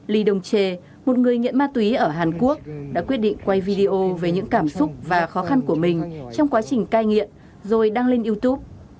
ly đông che một người nghiện ma túy ở hàn quốc đã quyết định quay video về những cảm xúc và khó khăn của mình trong quá trình cai nghiện rồi đăng lên youtube